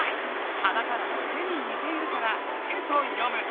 カタカナの「テ」に似ているから「テ」と読む。